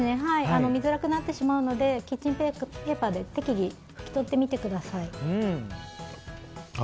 見づらくなってしまうのでキッチンペーパーで適宜、拭き取ってみてください。